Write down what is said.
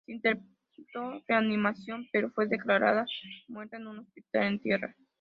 Se intentó reanimación, pero fue declarada muerta en un hospital en tierra.